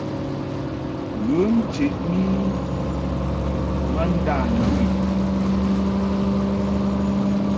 Ghə ncheʼni i ma ndâ ndu i.